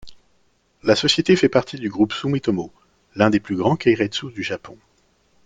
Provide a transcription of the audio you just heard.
La société fait partie du Groupe Sumitomo, l'un des plus grands keiretsu du Japon.